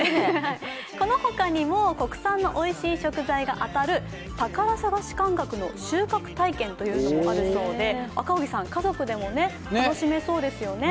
このほかにも国産のおいしい食材が当たる宝探し感覚の収穫体験というのもあるそうで赤荻さん、家族でも楽しめそうですよね。